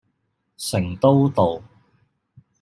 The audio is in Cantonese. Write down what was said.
成都道